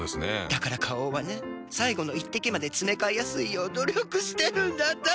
だから花王はね最後の一滴までつめかえやすいよう努力してるんだって。